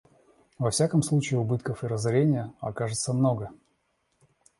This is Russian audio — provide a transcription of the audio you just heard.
Во всяком случае, убытков и разорения окажется много.